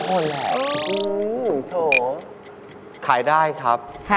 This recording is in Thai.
โอ้โหมาให้ดูกันแล้ว